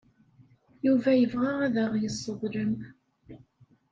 Yuba yebɣa ad aɣ-yesseḍlem.